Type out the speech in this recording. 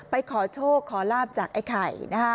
ขอโชคขอลาบจากไอ้ไข่